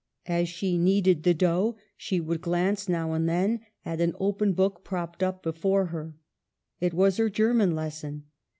As she kneaded the dough, she would glance now and then at an open book propped up before her. It was her German lesson.